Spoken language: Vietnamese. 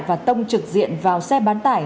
và tông trực diện vào xe bán tải